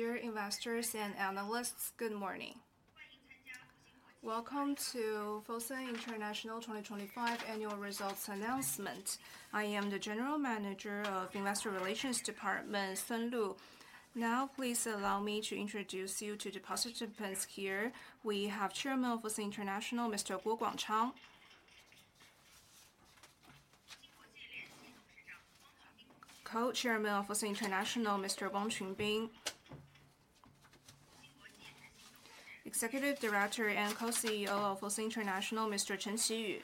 Dear investors and analysts, good morning. Welcome to Fosun International 2025 annual results announcement. I am the General Manager of Investor Relations Department, Sun Lu. Now, please allow me to introduce you to the participants here. We have Chairman of Fosun International, Mr. Guo Guangchang. Co-chairman of Fosun International, Mr. Wong Chun Bing. Executive Director and Co-CEO of Fosun International, Mr. Chen Qiyu.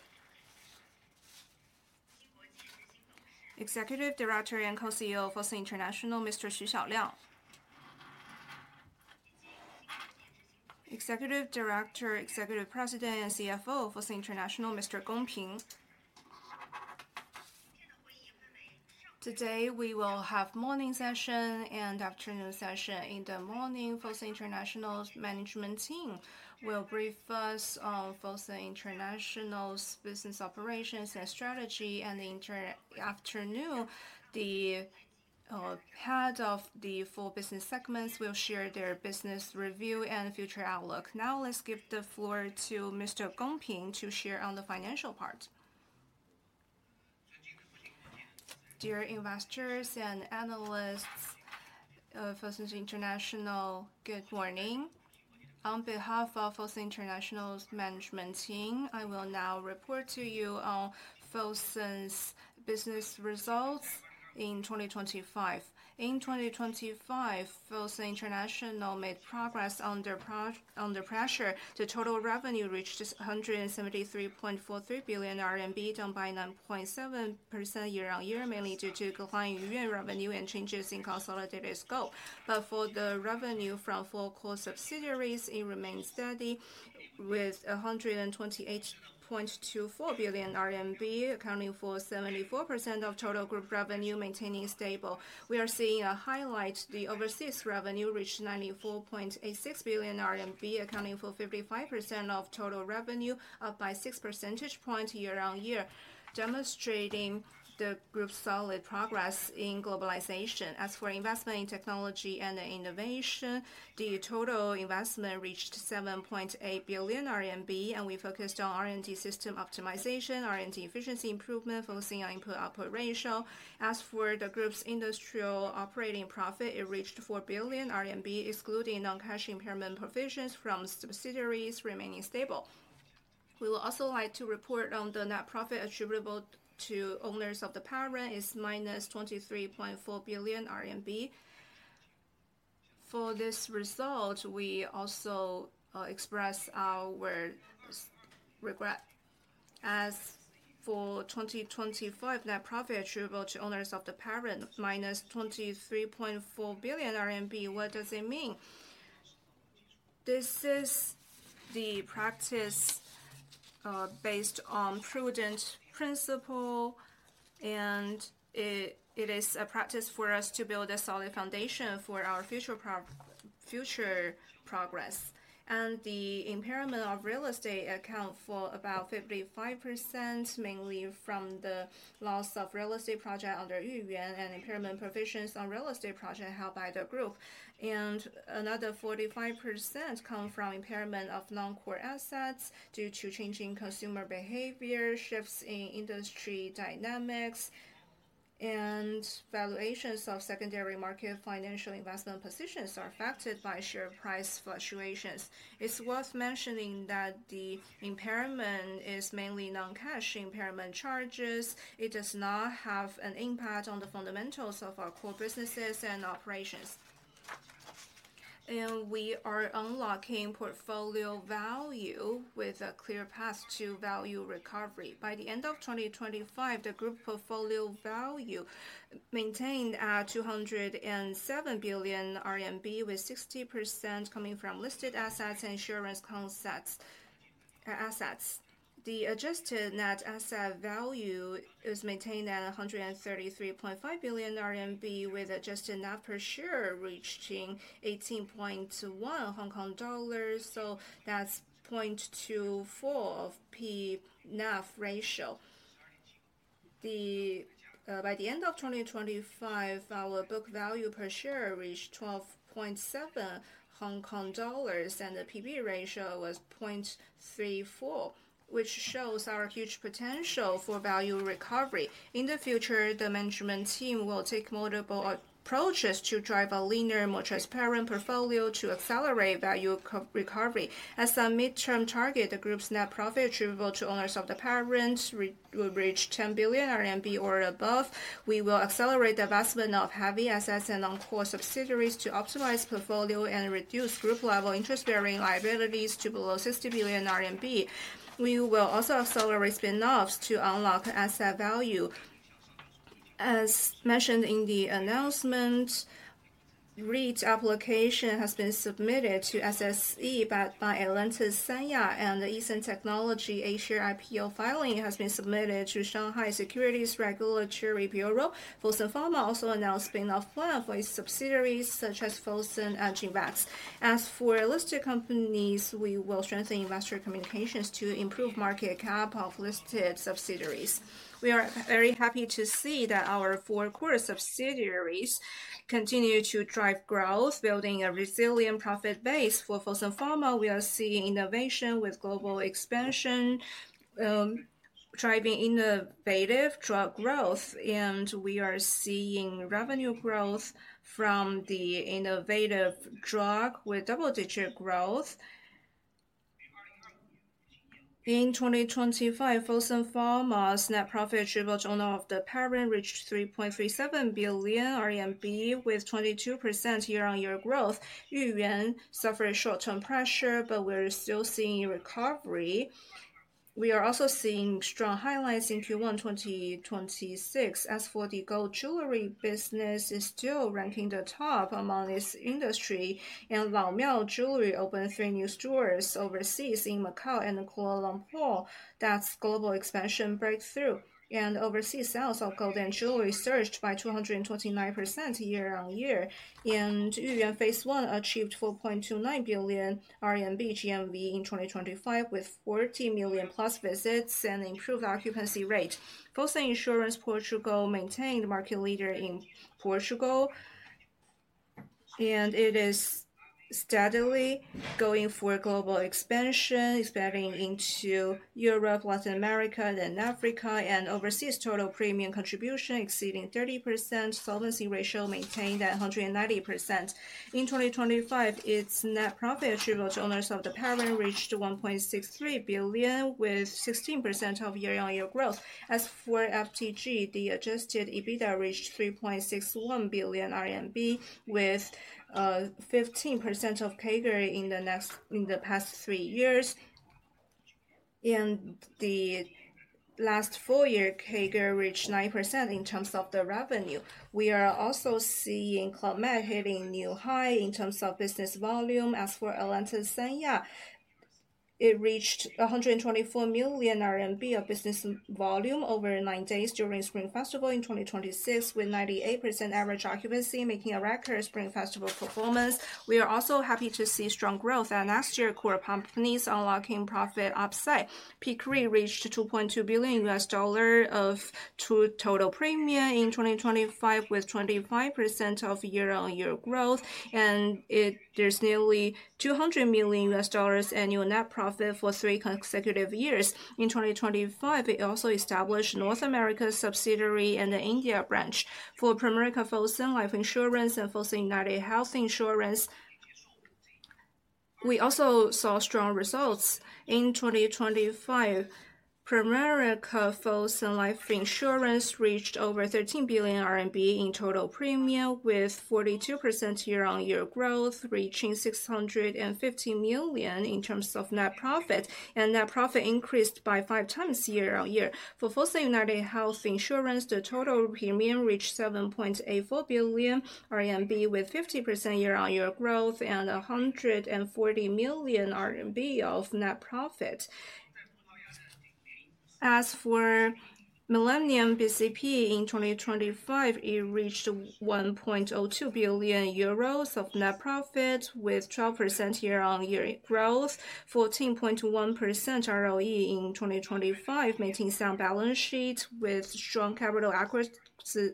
Executive Director and Co-CEO of Fosun International, Mr. Xu Xiaoliang. Executive Director, Executive President, and CFO of Fosun International, Mr. Gong Ping. Today, we will have morning session and afternoon session. In the morning, Fosun International's management team will brief us on Fosun International's business operations and strategy. In the afternoon, the head of the four business segments will share their business review and future outlook. Now, let's give the floor to Mr. Gong Ping to share on the financial part. Dear investors and analysts, Fosun International, good morning. On behalf of Fosun International's management team, I will now report to you on Fosun's business results in 2025. In 2025, Fosun International made progress under pressure. The total revenue reached 173.43 billion RMB, down by 9.7% year-on-year, mainly due to declining yuan revenue and changes in consolidated scope. For the revenue from 4 core subsidiaries, it remained steady with 128.24 billion RMB, accounting for 74% of total group revenue, maintaining stable. We are seeing a highlight, the overseas revenue reached 94.86 billion RMB, accounting for 55% of total revenue, up by six percentage point year-on-year, demonstrating the group's solid progress in globalization. As for investment in technology and innovation, the total investment reached 7.8 billion RMB, and we focused on R&D system optimization, R&D efficiency improvement, focusing on input-output ratio. As for the group's industrial operating profit, it reached 4 billion RMB, excluding non-cash impairment provisions from subsidiaries remaining stable. We will also like to report on the net profit attributable to owners of the parent is -23.4 billion RMB. For this result, we also express our regret. As for 2025, net profit attributable to owners of the parent, -23.4 billion RMB. What does it mean? This is the practice, based on prudent principle, and it is a practice for us to build a solid foundation for our future progress. The impairment of real estate accounts for about 55%, mainly from the loss of real estate project under Yuyuan and impairment provisions on real estate project held by the group. Another 45% comes from impairment of non-core assets due to changing consumer behavior, shifts in industry dynamics, and valuations of secondary market financial investment positions are affected by share price fluctuations. It's worth mentioning that the impairment is mainly non-cash impairment charges. It does not have an impact on the fundamentals of our core businesses and operations. We are unlocking portfolio value with a clear path to value recovery. By the end of 2025, the group portfolio value maintained at 207 billion RMB, with 60% coming from listed assets, insurance contracts, assets. The adjusted net asset value is maintained at 133.5 billion RMB, with adjusted NAV per share reaching 18.1 Hong Kong dollars, so that's 0.24 of P/NAV ratio. By the end of 2025, our book value per share reached 12.7 Hong Kong dollars, and the P/B ratio was 0.34, which shows our huge potential for value recovery. In the future, the management team will take multiple approaches to drive a leaner, more transparent portfolio to accelerate value co-recovery. As a midterm target, the group's net profit attributable to owners of the parent reach 10 billion RMB or above. We will accelerate the divestment of heavy assets and non-core subsidiaries to optimize portfolio and reduce group level interest-bearing liabilities to below 60 billion RMB. We will also accelerate spin-offs to unlock asset value. As mentioned in the announcement, REIT application has been submitted to SSE by Atlantis Sanya. The Easun Technology A-share IPO filing has been submitted to Shanghai Securities Regulatory Bureau. Fosun Pharma also announced spin-off plan for its subsidiaries, such as Fosun and Genvax. As for listed companies, we will strengthen investor communications to improve market cap of listed subsidiaries. We are very happy to see that our four core subsidiaries continue to drive growth, building a resilient profit base. For Fosun Pharma, we are seeing innovation with global expansion. Driving innovative drug growth, and we are seeing revenue growth from the innovative drug with double-digit growth. In 2025, Fosun Pharma's net profit attributable to owner of the parent reached 3.37 billion RMB with 22% year-on-year growth. Yuyuan suffered short-term pressure, but we're still seeing recovery. We are also seeing strong highlights in Q1 2026. As for the gold jewelry business is still ranking the top among its industry and Laomiao Jewelry opened three new stores overseas in Macau and Kuala Lumpur. That's global expansion breakthrough, and overseas sales of gold and jewelry surged by 229% year-on-year. Yuyuan phase one achieved 4.29 billion RMB GMV in 2025, with 40 million+ visits and improved occupancy rate. Fosun Insurance Portugal maintained market leader in Portugal, and it is steadily going for global expansion, expanding into Europe, Latin America, then Africa, and overseas total premium contribution exceeding 30%, solvency ratio maintained at 190%. In 2025, its net profit attributable to owners of the parent reached 1.63 billion, with 16% year-on-year growth. As for FTG, the adjusted EBITDA reached 3.61 billion RMB, with 15% CAGR in the past three years. In the last full year, CAGR reached 9% in terms of the revenue. We are also seeing Club Med hitting new high in terms of business volume. As for Atlantis Sanya, it reached 124 million RMB of business volume over 9 days during Spring Festival in 2026, with 98% average occupancy, making a record Spring Festival performance. We are also happy to see strong growth at last year core companies unlocking profit upside. Peak Re reached $2.2 billion of total premium in 2025, with 25% year-on-year growth, and there's nearly $200 million annual net profit for three consecutive years. In 2025, it also established North America subsidiary and an India branch. For Pramerica Fosun Life Insurance and Fosun United Health Insurance, we also saw strong results. In 2025, Pramerica Fosun Life Insurance reached over 13 billion RMB in total premium with 42% year-on-year growth, reaching 650 million in terms of net profit, and net profit increased by 5 times year-on-year. For Fosun United Health Insurance, the total premium reached 7.84 billion RMB with 50% year-on-year growth and 140 million RMB of net profit. As for Millennium bcp, in 2025, it reached 1.02 billion euros of net profit with 12% year-on-year growth, 14.1% ROE in 2025, maintaining sound balance sheet with strong capital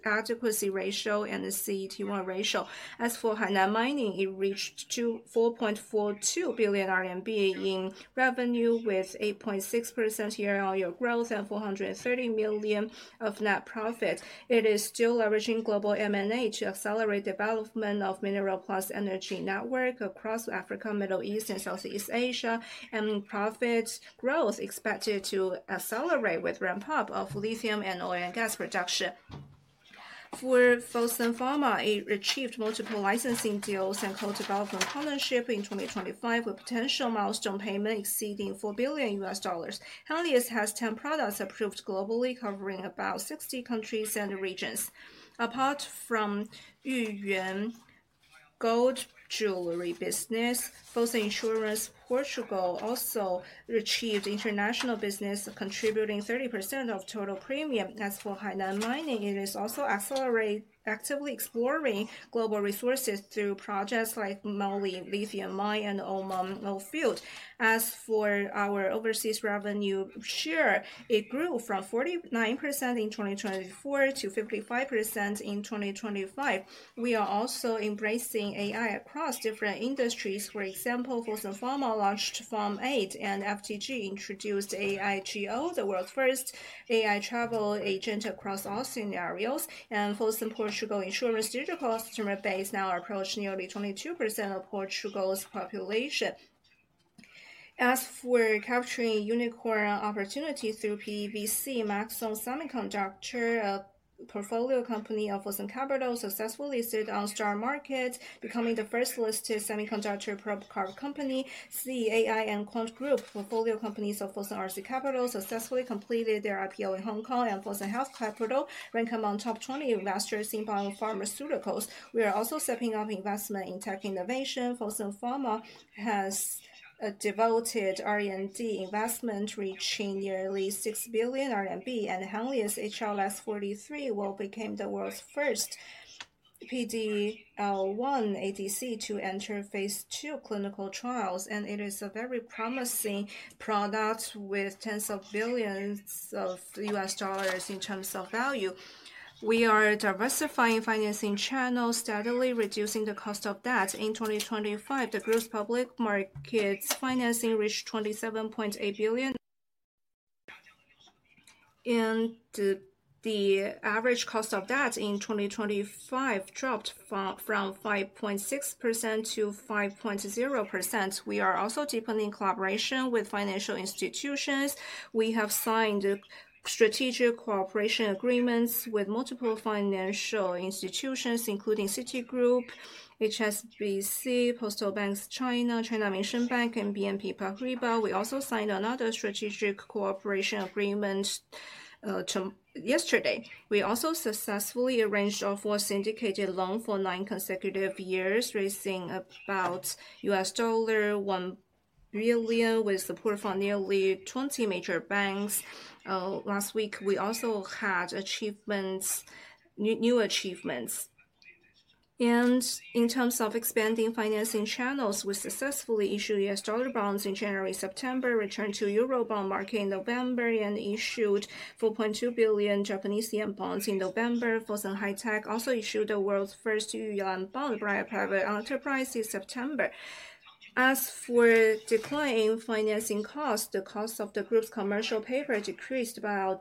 adequacy ratio and the CET1 ratio. As for Hainan Mining, it reached 4.42 billion RMB in revenue with 8.6% year-on-year growth and 430 million of net profit. It is still leveraging global M&A to accelerate development of mineral plus energy network across Africa, Middle East, and Southeast Asia, and profits growth expected to accelerate with ramp up of lithium and oil and gas production. For Fosun Pharma, it achieved multiple licensing deals and co-development partnership in 2025, with potential milestone payment exceeding $4 billion. Henlius has 10 products approved globally, covering about 60 countries and regions. Apart from Yuyuan gold jewelry business, Fosun Insurance Portugal also achieved international business, contributing 30% of total premium. As for Hainan Mining, it is also actively exploring global resources through projects like Bougouni Lithium Mine and Oman Oil Field. As for our overseas revenue share, it grew from 49% in 2024 to 55% in 2025. We are also embracing AI across different industries. For example, Fosun Pharma launched PharmAID, and FTG introduced AIGO, the world's first AI travel agent across all scenarios. Fosun Insurance Portugal digital customer base now approaches nearly 22% of Portugal's population. As for capturing unicorn opportunities through VC, Maxone Semiconductor, a portfolio company of Fosun Capital, successfully stood on STAR Market, becoming the first listed semiconductor probe card company. Zai Group and Quant Group, portfolio companies of Fosun RZ Capital, successfully completed their IPO in Hong Kong, and Fosun Health Capital ranked among top 20 investors in biopharmaceuticals. We are also setting up investment in tech innovation. Fosun Pharma has a devoted R&D investment, reaching nearly 6 billion RMB, and Henlius HLX43 will become the world's first PD-L1 ADC to enter phase II clinical trials, and it is a very promising product with tens of billions of dollars in terms of value. We are diversifying financing channels, steadily reducing the cost of debt. In 2025, the group's public markets financing reached 27.8 billion. The average cost of debt in 2025 dropped from 5.6% to 5.0%. We are also deepening collaboration with financial institutions. We have signed strategic cooperation agreements with multiple financial institutions, including Citigroup, HSBC, Postal Savings Bank of China, Minsheng Bank, and BNP Paribas. We also signed another strategic cooperation agreement yesterday. We also successfully arranged our fourth syndicated loan for nine consecutive years, raising about $1 billion, with support from nearly 20 major banks. Last week, we also had new achievements. In terms of expanding financing channels, we successfully issued U.S. dollar bonds in January, September, returned to euro bond market in November, and issued 4.2 billion Japanese yen bonds in November. Fosun High Technology Group also issued the world's first yuan bond by a private enterprise in September. As for decline in financing costs, the cost of the group's commercial paper decreased by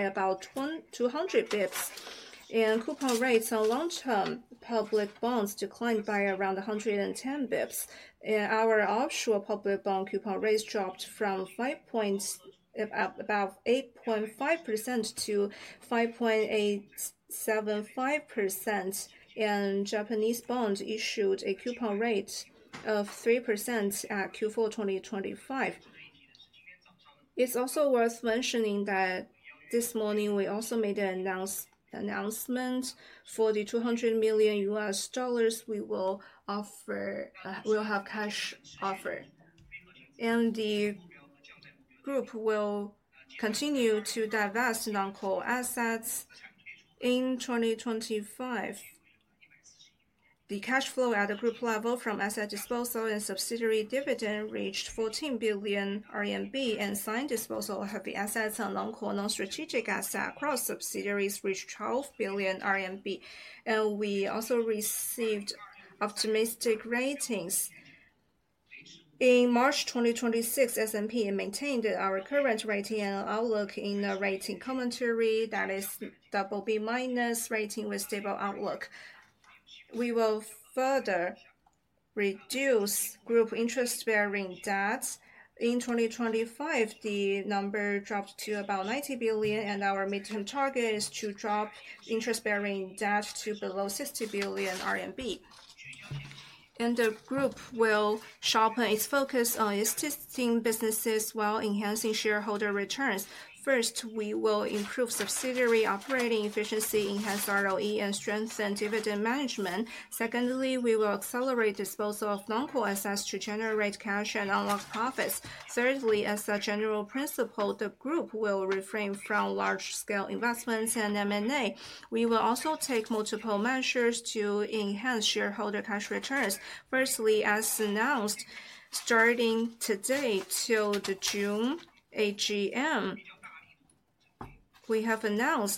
about 200 basis points. Coupon rates on long-term public bonds declined by around 110 basis points. Our offshore public bond coupon rates dropped from about 8.5% to 5.875%. Japanese bond issued a coupon rate of 3% at Q4 2025. It's also worth mentioning that this morning we also made an announcement for the $200 million we will offer, we'll have cash offer. The group will continue to divest non-core assets in 2025. The cash flow at the group level from asset disposal and subsidiary dividend reached 14 billion RMB, and signed disposal of the assets on non-core, non-strategic asset across subsidiaries reached 12 billion RMB. We also received optimistic ratings. In March 2026, S&P maintained our current rating and outlook in the rating commentary that is BB- rating with stable outlook. We will further reduce group interest-bearing debts. In 2025, the number dropped to about 90 billion, and our midterm target is to drop interest-bearing debt to below 60 billion RMB. The group will sharpen its focus on existing businesses while enhancing shareholder returns. First, we will improve subsidiary operating efficiency, enhance ROE, and strengthen dividend management. Secondly, we will accelerate disposal of non-core assets to generate cash and unlock profits. Thirdly, as a general principle, the group will refrain from large-scale investments and M&A. We will also take multiple measures to enhance shareholder cash returns. Firstly, as announced, starting today till the June AGM, we have announced.